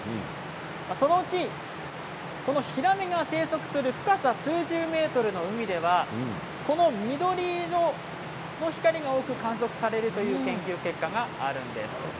そのうちヒラメが生息する深さ数十ｍの海ではこの緑色の光が多く観測されるという研究結果があるんです。